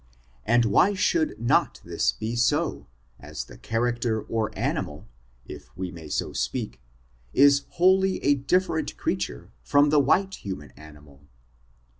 And why should not this be so, as the character, or animal, if we may so speak, is wholly a different creature from the white human animal